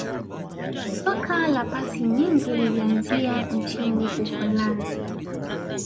soka la pasi nyingi lilianzia nchini uholanzi